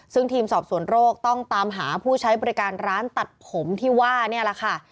ซึ่งทีมสอบสวนโรคต้องตามหาผู้ใช้บริการร้านตัดผมที่ว่านี่แหละค่ะ